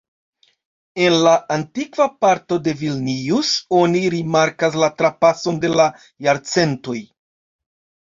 En la antikva parto de Vilnius oni rimarkas la trapason de la jarcentoj.